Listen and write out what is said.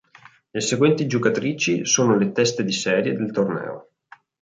Le seguenti giocatrici sono le teste di serie del torneo.